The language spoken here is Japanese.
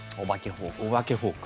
お化けフォーク。